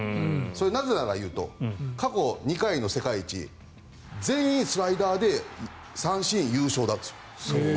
なぜかというと過去２回の世界一全員スライダーで三振、優勝なんですよ。